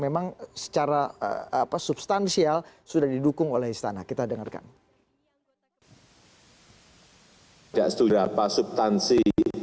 memang secara apa substansial sudah didukung oleh istana kita dengarkan tidak setujulah pasubtansi